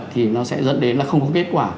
thì nó sẽ dẫn đến là không có kết quả